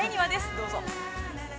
どうぞ。